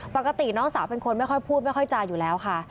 ปกติน้องสาวเป็นคนไม่ค่อยพูดไม่ค่อยจาอยู่แล้วค่ะ